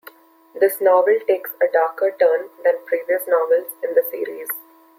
This novel takes a darker turn than previous novels in the series.